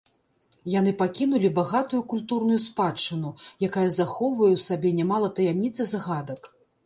Яны пакінулі багатую культурную спадчыну, якая захоўвае ў сабе нямала таямніц і загадак.